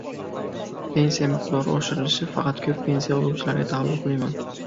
"Pensiya miqdori oshirilishi faqat ko`p pensiya oluvchilarga taalluqlimi?"